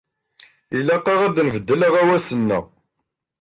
Ilaq-aɣ ad nbeddel aɣawas-nneɣ.